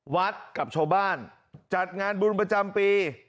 กับชาวบ้านจัดงานบุญประจำปี